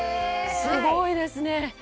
すごいですね。